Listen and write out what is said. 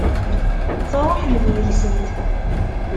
Tṛuḥemt deg-sent.